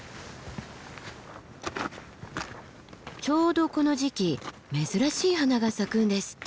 ちょうどこの時期珍しい花が咲くんですって。